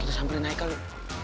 kita sampai dengan haikal lo